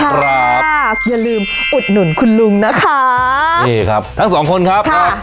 ครับค่ะอย่าลืมอุดหนุนคุณลุงนะคะนี่ครับทั้งสองคนครับครับ